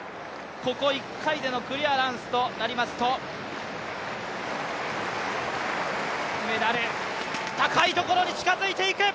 ここ１回でのクリアランスとなりますと高いところに近づいていく！